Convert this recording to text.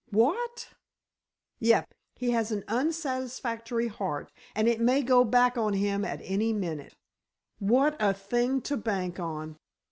"What?" "Yep. He has an unsatisfactory heart, and it may go back on him at any minute." "What a thing to bank on!"